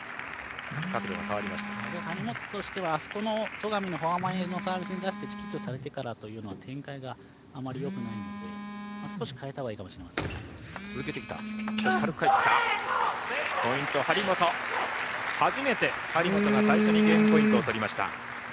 張本としてはあそこの戸上のフォア前のサービスに出してチキータされてからというのは展開があまりよくないので少し初めて、張本が最初にゲームポイントを取りました。